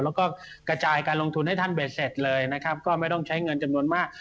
แล้วก็กระจายการลงทุนให้ท่านเบ็ดเสร็จเลยนะครับก็ไม่ต้องใช้เงินจำนวนมาก